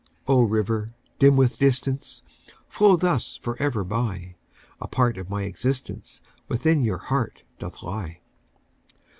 O, river, dim with distance, Flow thus forever by,A part of my existenceWithin your heart doth lie!